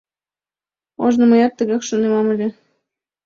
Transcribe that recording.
Ожно мыят тыгак шоненам ыле.